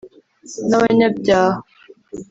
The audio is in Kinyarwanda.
n’abanyabyaha